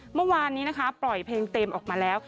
เมื่อวานนี้นะคะปล่อยเพลงเต็มออกมาแล้ว